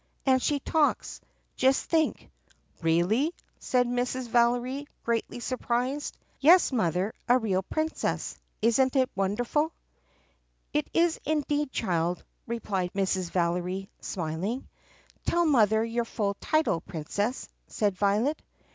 And she talks! Just think!" "Really 4 ?" said Mrs. Valery greatly surprised. "Yes, Mother, a real Princess! Is n't it wonderful 4 ?" "It is indeed, child," replied Mrs. Valery smiling. "Tell mother your full title, Princess," said Violet.